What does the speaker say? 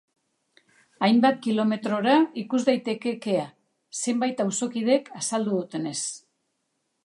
Hainbat kilometrora ikus daiteke kea, zenbait auzokidek azaldu dutenez.